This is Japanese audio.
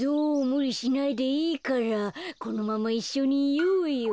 むりしないでいいからこのままいっしょにいようよ。